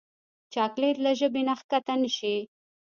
چاکلېټ له ژبې نه کښته نه شي.